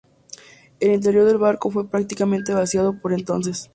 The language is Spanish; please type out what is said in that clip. El interior del barco fue prácticamente vaciado por entonces.